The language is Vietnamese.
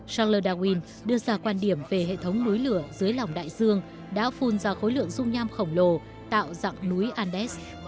charles darwin đưa ra quan điểm về hệ thống núi lửa dưới lòng đại dương đã phun ra khối lượng rung nham khổng lồ tạo dặng núi lửa